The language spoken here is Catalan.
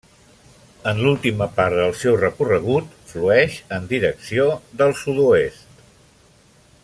En l'última part del seu recorregut, flueix en direcció del sud-oest.